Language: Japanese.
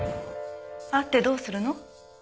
会ってどうするの？